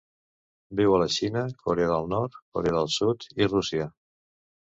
Viu a la Xina, Corea del Nord, Corea del Sud i Rússia.